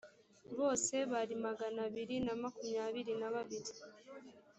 bose bari magana abiri na makumyabiri na babiri